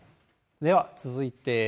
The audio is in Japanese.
では、続いて。